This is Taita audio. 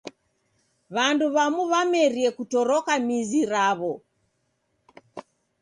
W'andu w'amu w'amerie kutoroka mizi raw'o.